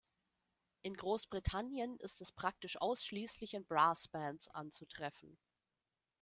In Großbritannien ist es praktisch ausschließlich in Brass Bands anzutreffen.